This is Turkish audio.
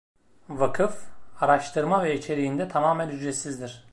Vakıf, araştırma ve içeriğinde tamamen ücretsizdir.